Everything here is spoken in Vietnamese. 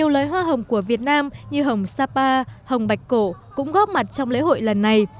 lấy hoa hồng của việt nam như hồng sapa hồng bạch cổ cũng góp mặt trong lễ hội lần này